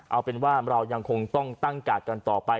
เอาเป็นว่าเรายังคงต้องตั้งกาดกันต่อไป